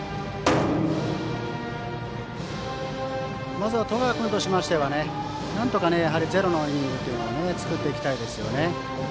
まず、十川君としてはなんとかゼロのイニングを作っていきたいですよね。